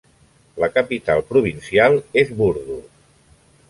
La capital provincial és Burdur.